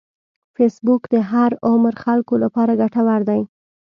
فېسبوک د هر عمر خلکو لپاره ګټور دی